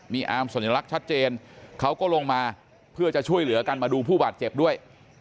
มีอาร์มสัญลักษณ์ชัดเจนเขาก็ลงมาเพื่อจะช่วยเหลือกันมาดูผู้บาดเจ็บด้วย